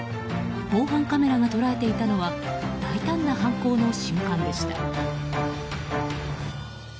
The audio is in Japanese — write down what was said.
防犯カメラが捉えていたのは大胆な犯行の瞬間でした。